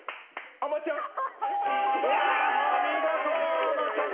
「あまちゃん」。